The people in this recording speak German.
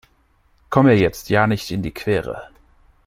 Komm mir jetzt ja nicht in die Quere!